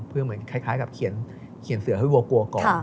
เพื่อเหมือนคล้ายกับเขียนเสือให้วัวกลัวก่อน